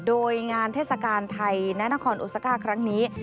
โดยงานเทศกาลไทยณนครโอซาก้าครั้งนี้